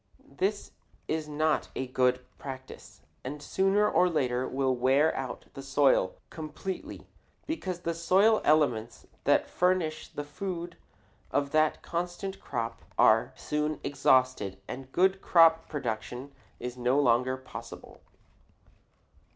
This is not a good practice and sooner or later will wear out the soil completely, because the soil elements that furnish the food of that constant crop are soon exhausted and good crop production is no longer possible.